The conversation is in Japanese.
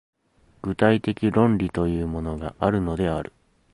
具体的論理というものがあるのである。